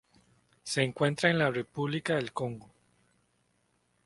Se encuentra en la República del Congo.